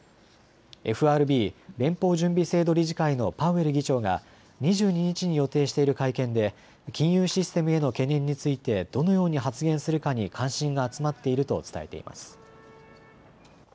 ＦＲＢ・連邦準備制度理事会のパウエル議長が２２日に予定している会見で金融システムへの懸念についてどのように発言するかに関心が集まっていると伝えています。